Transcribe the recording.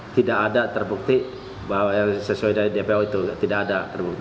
tidak ada terbukti bahwa sesuai dari dpo itu tidak ada